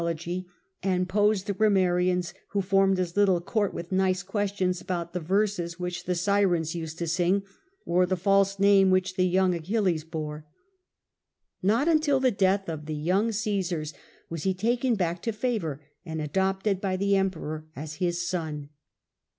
a) logy, and pose the grammarians who formed his little court with nice questions about the verses which the Seirens used to sing, or the false name which the young adoption Achilles bore. Not until the death of the young by Augustus. Caesars was he taken back to favour and adopted by the Emperor as his son.